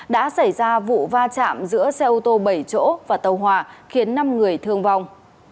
đã xảy ra vụ va chạm giữa xe ô tô bảy chỗ và tàu hòa khiến năm người thương vong